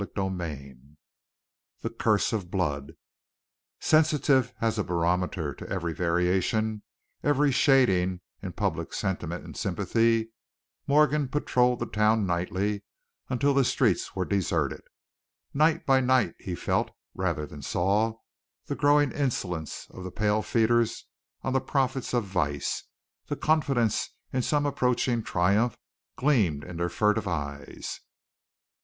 CHAPTER XIX THE CURSE OF BLOOD Sensitive as a barometer to every variation, every shading, in public sentiment and sympathy, Morgan patroled the town nightly until the streets were deserted. Night by night he felt, rather than saw, the growing insolence of the pale feeders on the profits of vice, the confidence in some approaching triumph gleaming in their furtive eyes.